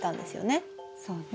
そうね。